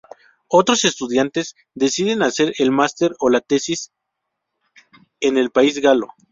Otros estudiantes deciden hacer el máster o la tesis en el país galo.